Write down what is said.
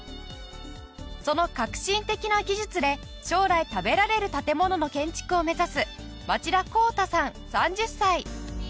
その革新的な技術で将来食べられる建物の建築を目指す町田紘太さん３０歳。